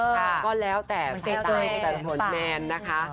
อือค่ะก็แล้วแต่ฝาเป็นกดแนนนะค่ะ